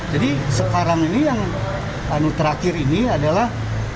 jadi sekarang ini yang terakhir ini adalah